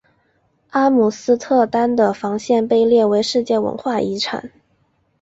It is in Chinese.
阿姆斯特丹的防线被列为世界文化遗产。